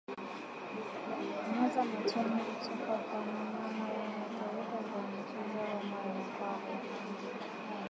Kumeza matone kutoka kwa mnyama aliyeathirika huambukiza homa ya mapafu